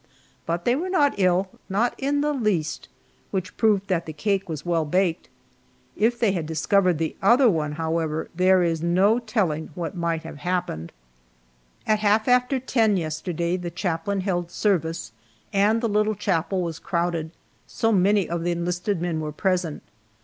But they were not ill not in the least which proved that the cake was well baked. If they had discovered the other one, however, there is no telling what might have happened. At half after ten yesterday the chaplain held service, and the little chapel was crowded so many of the enlisted men were present.